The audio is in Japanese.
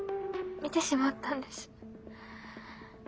見てしまったんです。